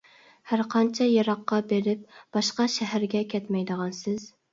-ھەر قانچە يىراققا بېرىپ باشقا شەھەرگە كەتمەيدىغانسىز.